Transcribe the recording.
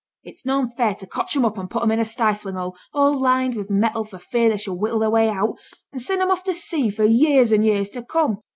It's noane fair to cotch 'em up and put 'em in a stifling hole, all lined with metal for fear they should whittle their way out, and send 'em off to sea for years an' years to come.